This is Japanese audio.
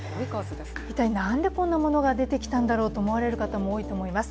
一体なんでこんなものが出てきたんだろうと思われる方も多いと思います。